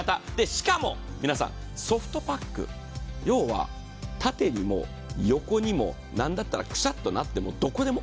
しかも皆さん、ソフトパック、要は縦にも横にも何だったらくしゃっとなってもどこでもＯＫ。